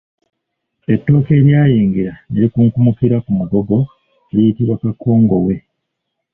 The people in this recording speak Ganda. Ettooke eryayengera ne likunkumukira ku mugogo liyitibwa Kakongoowe.